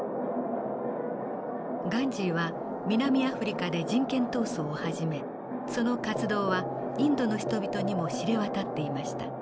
ガンジーは南アフリカで人権闘争を始めその活動はインドの人々にも知れ渡っていました。